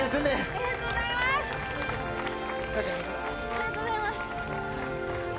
ありがとうございます。